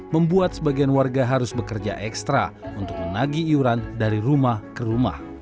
membuat sebagian warga harus bekerja ekstra untuk menagi iuran dari rumah ke rumah